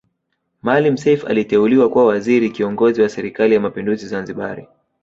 Maalim Self aliteuliwa kuwa waziri kiongozi wa serikali ya mapinduzi Zanzibari